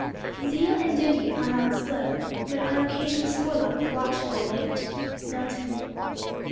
"Zeal and duty are not slow: But on occasion's forelock watchful wait." MILTON.